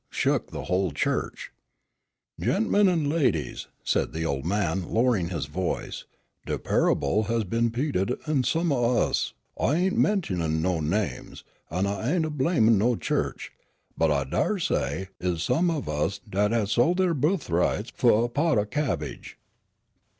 shook the whole church. "Gent'men an' ladies," said the old man, lowering his voice, "de pa'able has been 'peated, an' some o' us I ain't mentionin' no names, an' I ain't a blamin' no chu'ch but I say dar is some o' us dat has sol' dere buthrights fu' a pot o' cabbage."